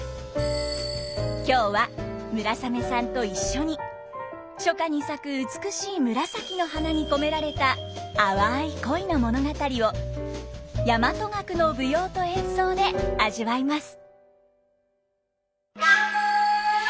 今日は村雨さんと一緒に初夏に咲く美しい紫の花に込められた淡い恋の物語を大和楽の舞踊と演奏で味わいます。